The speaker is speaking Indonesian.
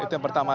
itu yang pertama